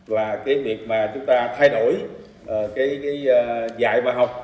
và cái việc mà chúng ta thay đổi cái dạy và học